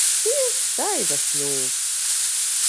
Сів та й заснув.